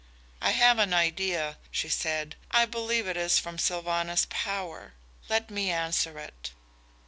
"I have an idea," she said. "I believe it is from Sylvanus Power. Let me answer it."